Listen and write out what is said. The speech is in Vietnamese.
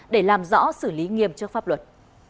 để làm rõ xử lý nghiêm trước pháp luật